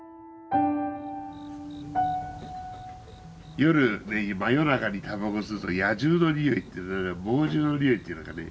夜真夜中にタバコ吸うと野獣の匂いっていうのか猛獣の匂いっていうのかね。